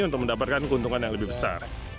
untuk mendapatkan keuntungan yang lebih besar